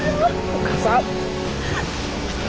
お母さん。